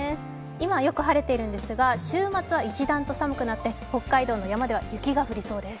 今、すごく晴れているんですが、週末は一段と寒くなって北海道では雪が降りそうです。